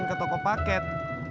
mau diantrin ke toko paket